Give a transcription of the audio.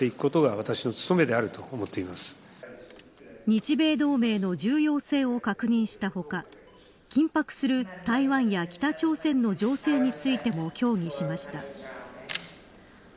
日米同盟の重要性を確認した他緊迫する台湾や北朝鮮の情勢についても協議しました。